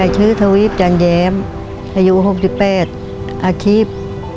ชื่อทวีปจันแย้มอายุ๖๘อาชีพ